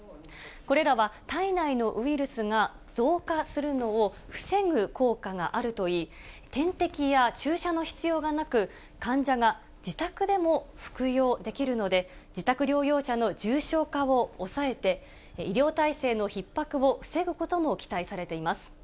これらは体内のウイルスが増加するのを防ぐ効果があるといい、点滴や注射の必要がなく、患者が自宅でも服用できるので、自宅療養者の重症化を抑えて、医療体制のひっ迫を防ぐことも期待されています。